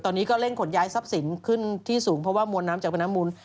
ตอนนี้ก็เร่งขนย้ายทรัพย์สินขึ้นที่สูงเพราะว่ามวลน้ำจากแม่น้ำมูล